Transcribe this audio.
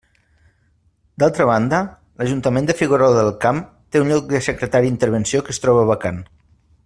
D'altra banda, l'Ajuntament de Figuerola del Camp té un lloc de secretaria intervenció que es troba vacant.